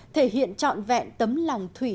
thể hiện trọn vẹn tấm lòng thủy